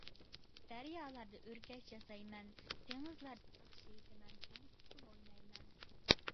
دەريالاردا ئۆركەش ياسايمەن، دېڭىزلاردا ناخشا ئېيتىمەن ھەم ئۇسسۇل ئوينايمەن.